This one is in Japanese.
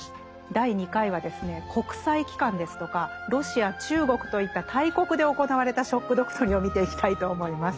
第２回はですね国際機関ですとかロシア中国といった大国で行われた「ショック・ドクトリン」を見ていきたいと思います。